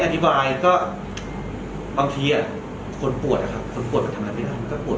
ไม่อธิบายก็บางทีคนปวดค่ะคนปวดมันทำอะไรไปก็ปวด